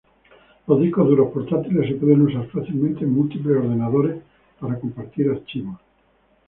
Los discos duros portátiles se pueden usar fácilmente en múltiples computadoras para compartir archivos.